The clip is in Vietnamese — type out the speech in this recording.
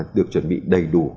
được chuẩn bị đầy đủ